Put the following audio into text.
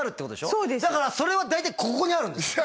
そうですだからそれは大体ここになるんです